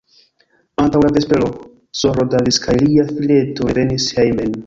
Antaŭ la vespero S-ro Davis kaj lia fileto revenis hejmen.